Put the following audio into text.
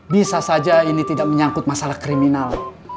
bisa saja ini tidak menyangkut masalah kriminal